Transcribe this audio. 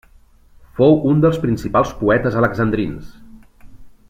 Fou un dels principals poetes alexandrins.